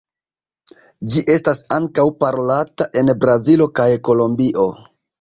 Ĝi estas ankaŭ parolata en Brazilo kaj Kolombio.